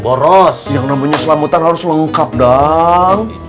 boros yang namanya selamutan harus lengkap dang